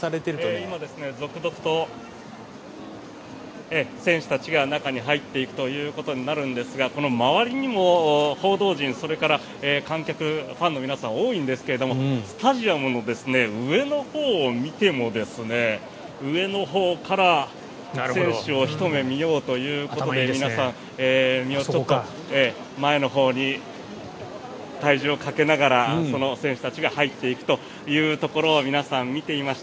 今、続々と選手たちが中に入っていくんですがこの周りにも報道陣それから観客、ファンの皆さんが多いんですがスタジアムの上のほうを見ても上のほうから選手をひと目見ようということで皆さん、前のほうに体重をかけながらその選手たちが入っていくというところを皆さん、見ていました。